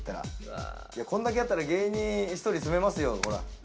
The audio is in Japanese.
こんだけあったら芸人１人住めますよ。